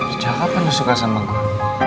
percakapan lu suka sama gue